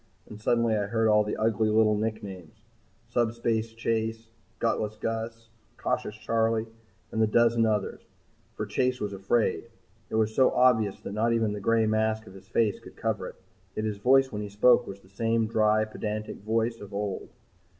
And suddenly I heard all the ugly little nicknames Subspace Chase, Gutless Gus, Cautious Charley and the dozen others. For Chase was afraid. It was so obvious that not even the gray mask of his face could cover it. Yet his voice when he spoke was the same dry, pedantic voice of old.